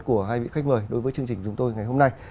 của hai vị khách mời đối với chương trình chúng tôi ngày hôm nay